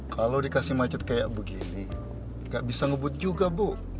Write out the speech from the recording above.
kalau dikasih macet kayak begini nggak bisa ngebut juga bu